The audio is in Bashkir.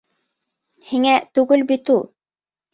Һиңә түгел бит ул.